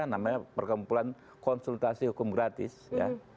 namanya perkumpulan konsultasi hukum gratis ya